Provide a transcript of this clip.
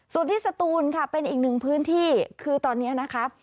ส่วนที่สตูนค่ะเป็นอีกหนึ่งพื้นที่คือตอนนี้นะคะ